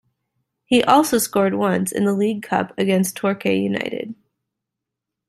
He also scored once in the League Cup against Torquay United.